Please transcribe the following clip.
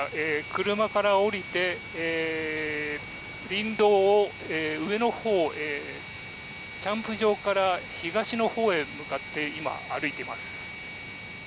車から降りて、林道を上のほうキャンプ場から東のほうへ向かって今、歩いています。